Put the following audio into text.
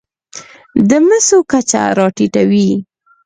د مسو کچه راټېته وي.